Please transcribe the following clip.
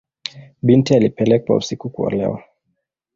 Binti alipelekwa usiku kuolewa.